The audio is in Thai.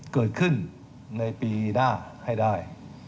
เกิดขึ้นในปีหน้าให้ได้